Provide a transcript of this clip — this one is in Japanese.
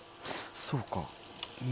そうか。